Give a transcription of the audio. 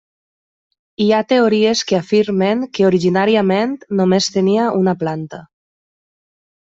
Hi ha teories que afirmen que originàriament només tenia una planta.